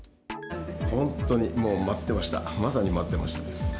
本当にもう待ってました、まさに待ってましたです。